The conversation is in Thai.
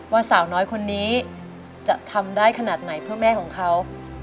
สาวน้อยคนนี้จะทำได้ขนาดไหนเพื่อแม่ของเขา